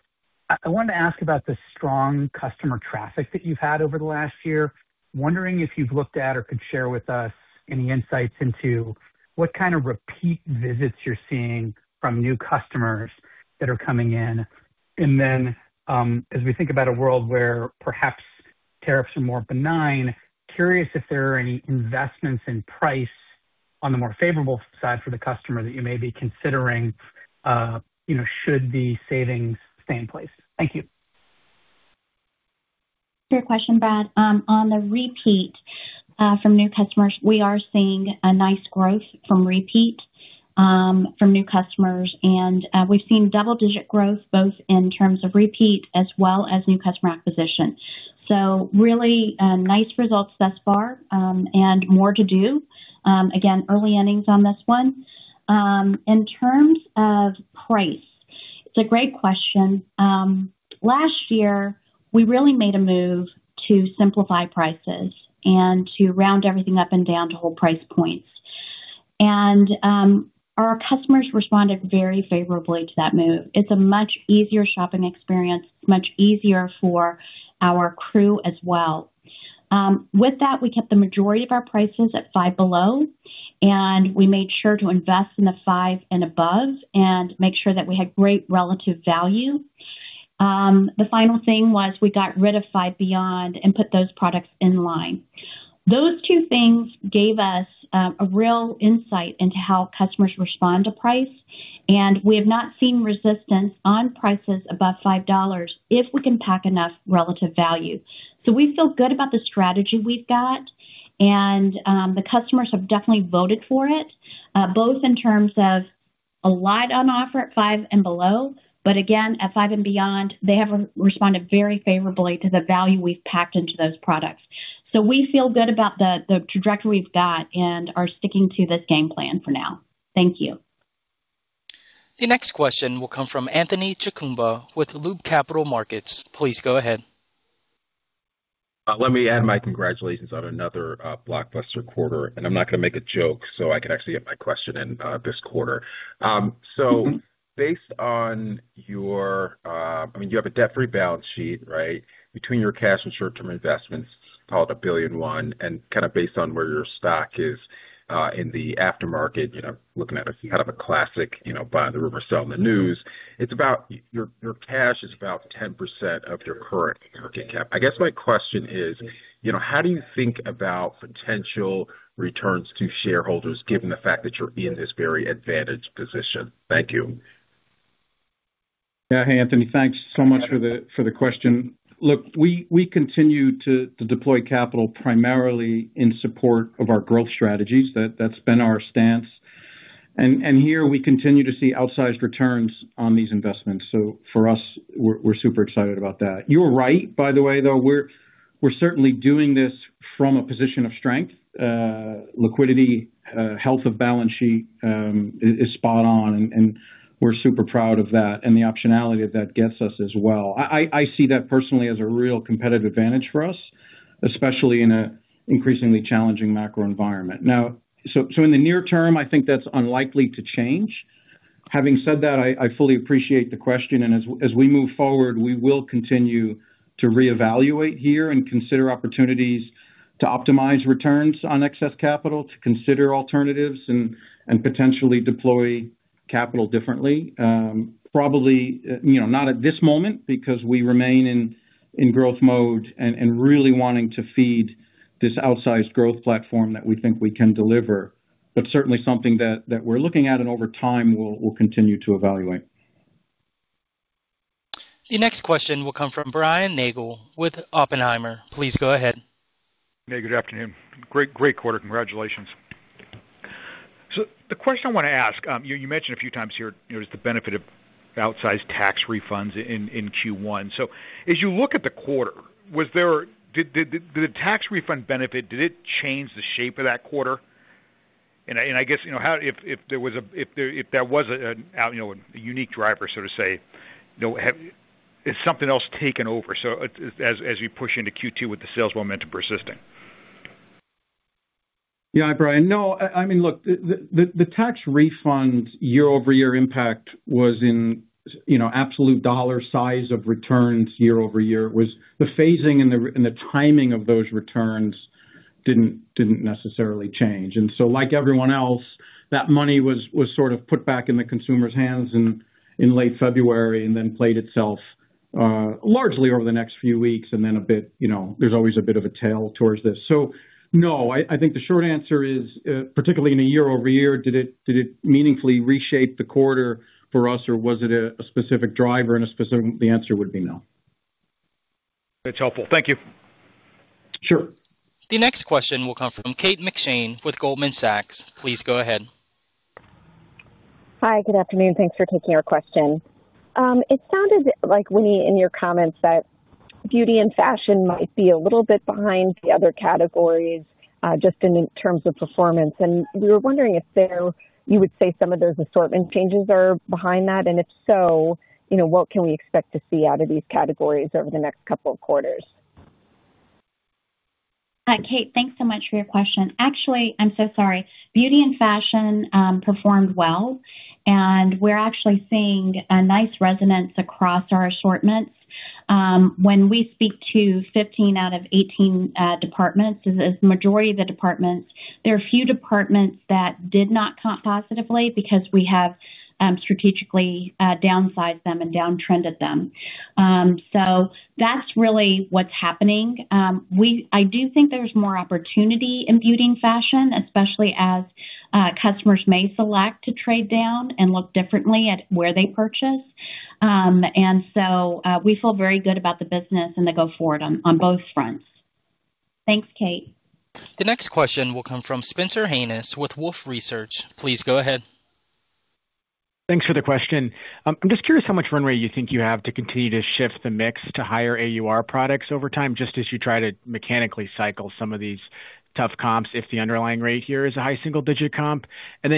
I wanted to ask about the strong customer traffic that you've had over the last year. Wondering if you've looked at or could share with us any insights into what kind of repeat visits you're seeing from new customers that are coming in. As we think about a world where perhaps tariffs are more benign, curious if there are any investments in price on the more favorable side for the customer that you may be considering, should the savings stay in place. Thank you. Great question, Brad. On the repeat from new customers, we are seeing a nice growth from repeat from new customers. We've seen double-digit growth, both in terms of repeat as well as new customer acquisition. Really nice results thus far, and more to do. Again, early innings on this one. In terms of price, it's a great question. Last year, we really made a move to simplify prices and to round everything up and down to whole price points. Our customers responded very favorably to that move. It's a much easier shopping experience, much easier for our crew as well. With that, we kept the majority of our prices at five below, and we made sure to invest in the five and above and make sure that we had great relative value. The final thing was we got rid of Five Beyond and put those products in line. Those two things gave us a real insight into how customers respond to price, and we have not seen resistance on prices above $5 if we can pack enough relative value. We feel good about the strategy we've got, and the customers have definitely voted for it, both in terms of a wide on offer at Five Below, but again, at Five Beyond, they have responded very favorably to the value we've packed into those products. We feel good about the trajectory we've got and are sticking to this game plan for now. Thank you. The next question will come from Anthony Chukumba with Loop Capital Markets. Please go ahead. Let me add my congratulations on another blockbuster quarter, and I'm not going to make a joke, so I can actually get my question in this quarter. Based on your, I mean, you have a debt-free balance sheet, right? Between your cash and short-term investments, call it $1.1 billion, and kind of based on where your stock is in the after-market, looking at a kind of a classic buy the rumor, sell the news. Your cash is about 10% of your current market cap. I guess my question is, how do you think about potential returns to shareholders given the fact that you're in this very advantaged position? Thank you. Hey, Anthony. Thanks so much for the question. Look, we continue to deploy capital primarily in support of our growth strategies. That's been our stance. Here we continue to see outsized returns on these investments. For us, we're super excited about that. You're right, by the way, though, we're certainly doing this from a position of strength. Liquidity, health of balance sheet is spot on, and we're super proud of that and the optionality that gets us as well. I see that personally as a real competitive advantage for us, especially in an increasingly challenging macro environment. In the near term, I think that's unlikely to change. Having said that, I fully appreciate the question, and as we move forward, we will continue to reevaluate here and consider opportunities to optimize returns on excess capital, to consider alternatives, and potentially deploy capital differently. Probably not at this moment because we remain in growth mode and really wanting to feed this outsized growth platform that we think we can deliver. Certainly something that we're looking at and over time will continue to evaluate. Your next question will come from Brian Nagel with Oppenheimer. Please go ahead. Hey, good afternoon. Great quarter. Congratulations. The question I want to ask, you mentioned a few times here is the benefit of outsized tax refunds in Q1. As you look at the quarter, did the tax refund benefit, did it change the shape of that quarter? I guess, if there was a unique driver, so to say, has something else taken over, as you push into Q2 with the sales momentum persisting? Yeah. Brian, no. I mean, look, the tax refund year-over-year impact was in absolute dollar size of returns year-over-year. It was the phasing and the timing of those returns didn't necessarily change. Like everyone else, that money was sort of put back in the consumer's hands in late February and then played itself largely over the next few weeks and then there's always a bit of a tail towards this. No, I think the short answer is, particularly in a year-over-year, did it meaningfully reshape the quarter for us, or was it a specific driver? The answer would be no. That's helpful. Thank you. Sure. The next question will come from Kate McShane with Goldman Sachs. Please go ahead. Hi. Good afternoon. Thanks for taking our question. It sounded like, Winnie, in your comments that beauty and fashion might be a little bit behind the other categories, just in terms of performance. We were wondering if you would say some of those assortment changes are behind that, and if so, what can we expect to see out of these categories over the next couple of quarters? Hi, Kate. Thanks so much for your question. Actually, I'm so sorry. Beauty and fashion performed well, and we're actually seeing a nice resonance across our assortments. When we speak to 15 out of 18 departments, the majority of the departments, there are a few departments that did not comp positively because we have strategically downsized them and down trended them. That's really what's happening. I do think there's more opportunity in beauty and fashion, especially as customers may select to trade down and look differently at where they purchase. We feel very good about the business and the go forward on both fronts. Thanks, Kate. The next question will come from Spencer Hanus with Wolfe Research. Please go ahead. Thanks for the question. I'm just curious how much runway you think you have to continue to shift the mix to higher AUR products over time, just as you try to mechanically cycle some of these tough comps if the underlying rate here is a high single-digit comp.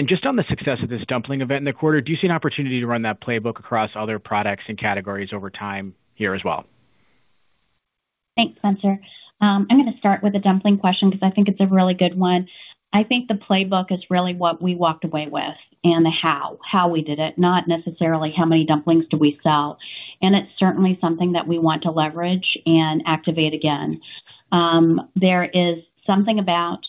Just on the success of this dumpling event in the quarter, do you see an opportunity to run that playbook across other products and categories over time here as well? Thanks, Spencer. I'm going to start with the dumpling question because I think it's a really good one. I think the playbook is really what we walked away with and the how we did it, not necessarily how many dumplings did we sell. It's certainly something that we want to leverage and activate again. There is something about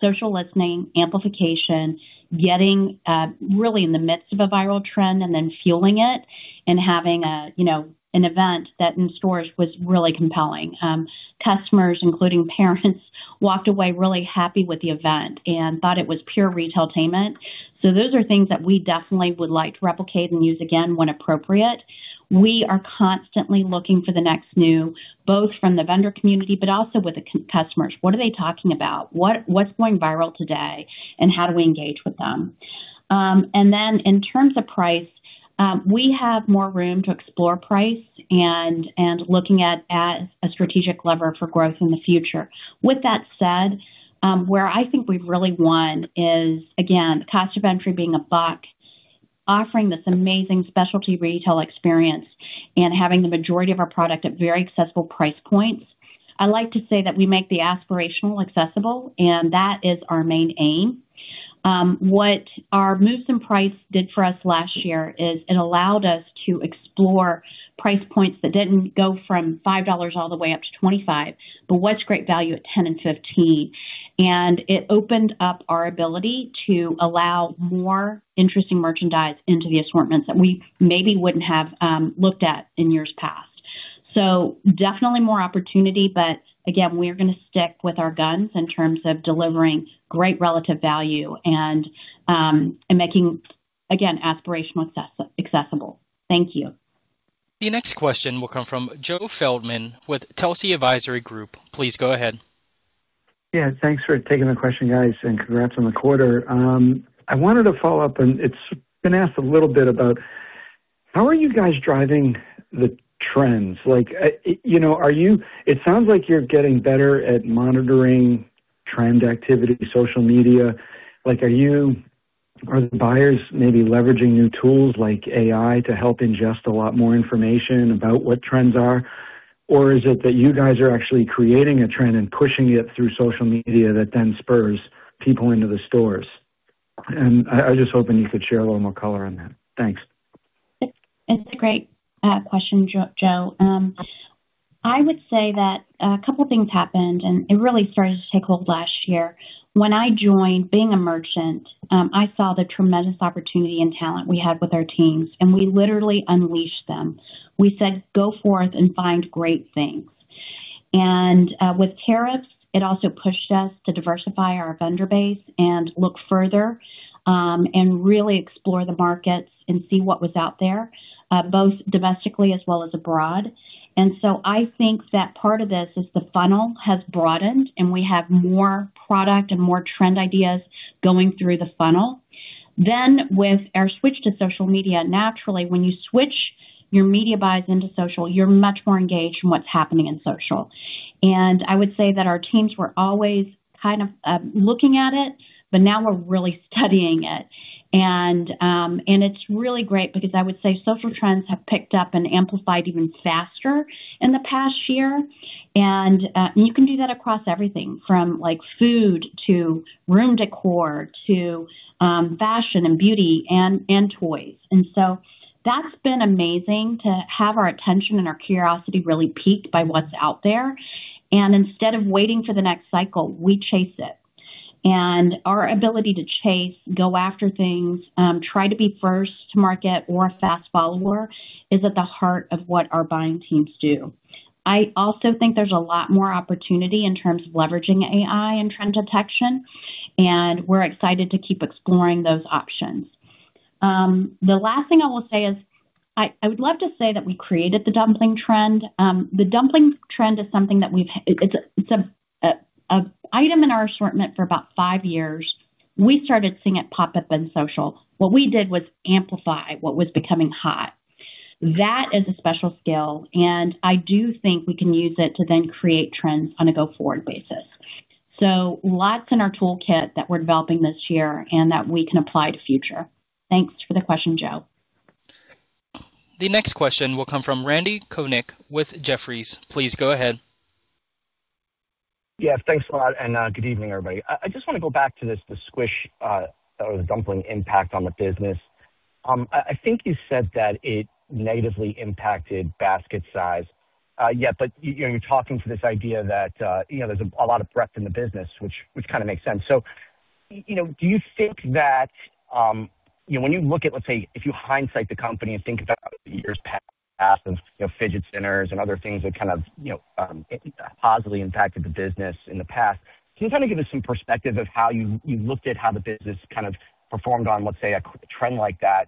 social listening, amplification, getting really in the midst of a viral trend and then fueling it, and having an event that in stores was really compelling. Customers, including parents, walked away really happy with the event and thought it was pure retail-tainment. Those are things that we definitely would like to replicate and use again when appropriate. We are constantly looking for the next new, both from the vendor community, but also with the customers. What are they talking about? What's going viral today, and how do we engage with them? In terms of price, we have more room to explore price and looking at a strategic lever for growth in the future. With that said, where I think we've really won is, again, cost of entry being $1, offering this amazing specialty retail experience, and having the majority of our product at very accessible price points. I like to say that we make the aspirational accessible, and that is our main aim. What our moves in price did for us last year is it allowed us to explore price points that didn't go from $5 all the way up to $25, but what's great value at $10 and $15. It opened up our ability to allow more interesting merchandise into the assortments that we maybe wouldn't have looked at in years past. Definitely more opportunity, but again, we're going to stick with our guns in terms of delivering great relative value and making, again, aspirational accessible. Thank you. The next question will come from Joe Feldman with Telsey Advisory Group. Please go ahead. Yeah, thanks for taking the question, guys, and congrats on the quarter. I wanted to follow up, and it's been asked a little bit about how are you guys driving the trends? It sounds like you're getting better at monitoring trend activity, social media. Are the buyers maybe leveraging new tools like AI to help ingest a lot more information about what trends are? Or is it that you guys are actually creating a trend and pushing it through social media that then spurs people into the stores? I was just hoping you could share a little more color on that. Thanks. It's a great question, Joe. I would say that a couple of things happened, and it really started to take hold last year. When I joined, being a merchant, I saw the tremendous opportunity and talent we had with our teams, and we literally unleashed them. We said, "Go forth and find great things." With tariffs, it also pushed us to diversify our vendor base and look further, and really explore the markets and see what was out there, both domestically as well as abroad. I think that part of this is the funnel has broadened, and we have more product and more trend ideas going through the funnel. With our switch to social media, naturally, when you switch your media buys into social, you're much more engaged in what's happening in social. I would say that our teams were always kind of looking at it, but now we're really studying it. It's really great because I would say social trends have picked up and amplified even faster in the past year. You can do that across everything, from food to room decor, to fashion and beauty, and toys. That's been amazing to have our attention and our curiosity really piqued by what's out there. Instead of waiting for the next cycle, we chase it. Our ability to chase, go after things, try to be first to market or a fast follower is at the heart of what our buying teams do. I also think there's a lot more opportunity in terms of leveraging AI and trend detection, and we're excited to keep exploring those options. The last thing I will say is, I would love to say that we created the dumpling trend. The dumpling trend is something that we've— It's an item in our assortment for about five years. We started seeing it pop up in social. What we did was amplify what was becoming hot. That is a special skill, and I do think we can use it to then create trends on a go-forward basis. Lots in our toolkit that we're developing this year and that we can apply to future. Thanks for the question, Joe. The next question will come from Randal Konik with Jefferies. Please go ahead. Yeah. Thanks a lot, and good evening, everybody. I just want to go back to this, the Squishy or the Dumpling impact on the business. I think you said that it negatively impacted basket size. Yeah, you're talking to this idea that there's a lot of breadth in the business, which kind of makes sense. Do you think that when you look at, let's say, if you hindsight the company and think about years past of fidget spinners and other things that kind of positively impacted the business in the past, can you kind of give us some perspective of how you looked at how the business kind of performed on, let's say, a trend like that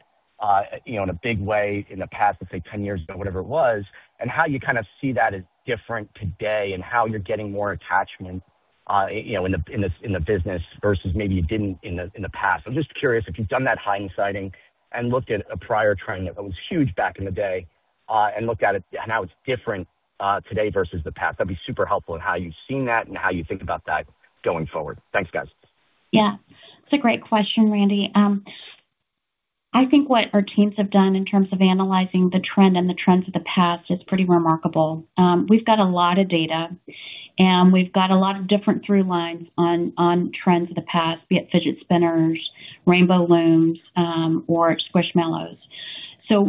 in a big way in the past, let's say, 10 years ago, whatever it was, and how you kind of see that as different today, and how you're getting more attachment in the business versus maybe you didn't in the past? I'm just curious if you've done that hindsighting and looked at a prior trend that was huge back in the day, and looked at it and how it's different today versus the past. That'd be super helpful in how you've seen that and how you think about that going forward. Thanks, guys. Yeah. That's a great question, Randal. I think what our teams have done in terms of analyzing the trend and the trends of the past is pretty remarkable. We've got a lot of data, and we've got a lot of different through lines on trends of the past, be it fidget spinners, Rainbow Loom, or Squishmallows.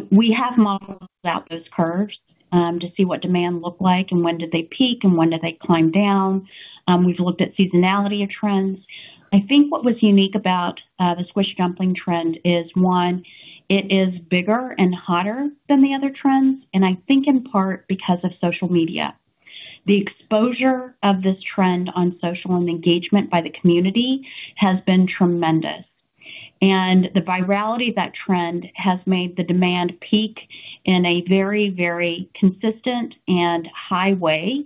We have modeled out those curves to see what demand looked like and when did they peak and when did they climb down. We've looked at seasonality of trends. I think what was unique about the RMS Squishy Dumplings trend is, one, it is bigger and hotter than the other trends, and I think in part, because of social media. The exposure of this trend on social and engagement by the community has been tremendous. The virality of that trend has made the demand peak in a very, very consistent and high way.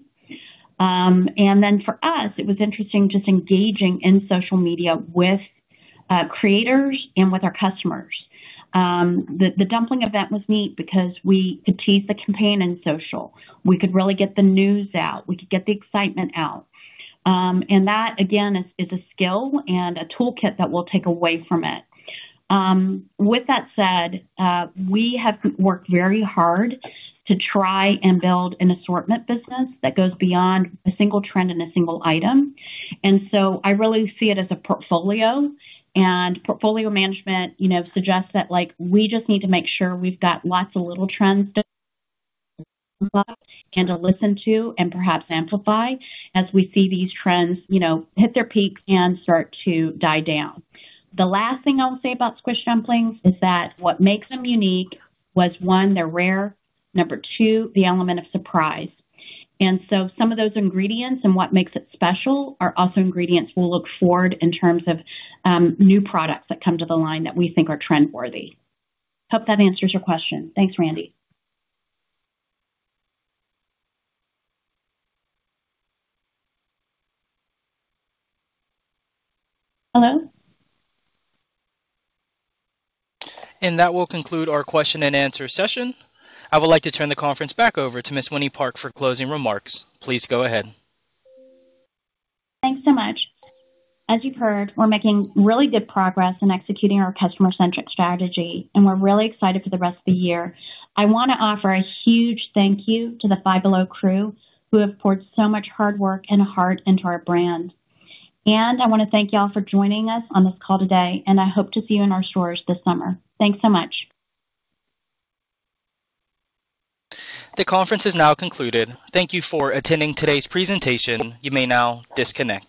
For us, it was interesting just engaging in social media with creators and with our customers. The dumpling event was neat because we could tease the campaign in social. We could really get the news out. We could get the excitement out. That, again, is a skill and a toolkit that we'll take away from it. With that said, we have worked very hard to try and build an assortment business that goes beyond a single trend and a single item. I really see it as a portfolio, and portfolio management suggests that we just need to make sure we've got lots of little trends to and to listen to and perhaps amplify as we see these trends hit their peaks and start to die down. The last thing I'll say about Squishy Dumplings is that what makes them unique was, one, they're rare, number two, the element of surprise. Some of those ingredients and what makes it special are also ingredients we'll look forward in terms of new products that come to the line that we think are trend-worthy. Hope that answers your question. Thanks, Randal. Hello? That will conclude our question and answer session. I would like to turn the conference back over to Ms. Winnie Park for closing remarks. Please go ahead. Thanks so much. As you've heard, we're making really good progress in executing our customer-centric strategy, and we're really excited for the rest of the year. I want to offer a huge thank you to the Five Below crew, who have poured so much hard work and heart into our brand. I want to thank you all for joining us on this call today, and I hope to see you in our stores this summer. Thanks so much. The conference has now concluded. Thank you for attending today's presentation. You may now disconnect.